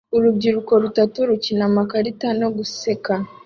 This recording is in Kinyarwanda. Urubyiruko rutatu rukina amakarita no guseka